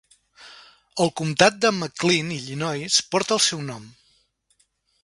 El comtat de McLean, Illinois, porta el seu nom.